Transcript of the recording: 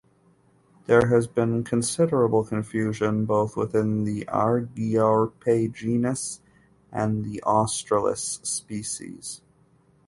There has been considerable confusion both within the "Argiope" genus and the "australis" species.